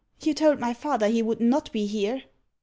"You told my father he would not be here."